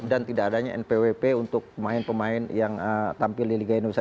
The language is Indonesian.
dan tidak adanya npwp untuk pemain pemain yang tampil di liga indonesia